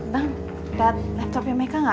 bang lihat laptopnya mereka nggak